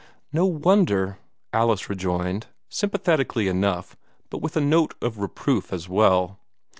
"No wonder!" Alice rejoined, sympathetically enough, but with a note of reproof as well.